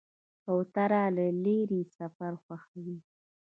کوتره له لرې سفر خوښوي.